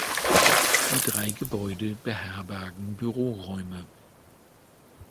Die drei Gebäude beherbergen Büroräume.